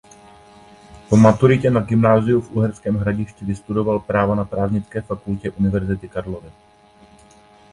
Po maturitě na gymnáziu v Uherském Hradišti vystudoval práva na Právnické fakultě Univerzity Karlovy.